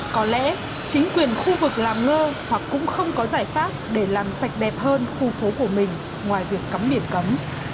có lẽ chính quyền khu vực làm ngơ hoặc cũng không có giải pháp để làm sạch đẹp hơn khu phố của mình ngoài việc cắm biển cấm